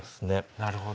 なるほど。